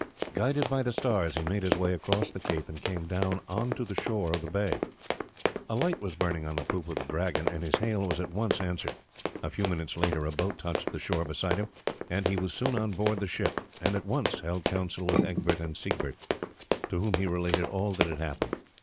Guided by the stars he made his way across the cape and came down on to the shore of the bay. A light was burning on the poop of the Dragon, and his hail was at once answered. A few minutes later a boat touched the shore beside him, and he was soon on board the ship, and at once held council with Egbert and Siegbert, to whom he related all that had happened.